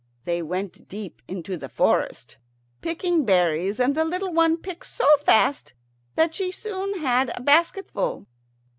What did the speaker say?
They went deep into the forest, picking berries, and the little one picked so fast that she soon had a basket full.